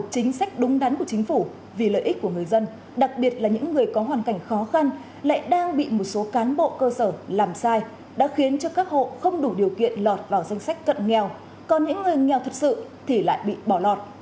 chính sách đúng đắn của chính phủ vì lợi ích của người dân đặc biệt là những người có hoàn cảnh khó khăn lại đang bị một số cán bộ cơ sở làm sai đã khiến cho các hộ không đủ điều kiện lọt vào danh sách cận nghèo còn những người nghèo thật sự thì lại bị bỏ lọt